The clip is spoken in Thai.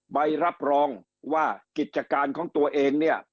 ใบรับรองว่ากิจการของตัวเองเนี่ย